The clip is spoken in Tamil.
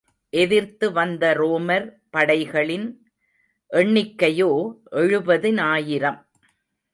எதிர்த்து வந்த ரோமர் படைகளின் எண்ணிக்கையோ எழுபதினாயிரம்.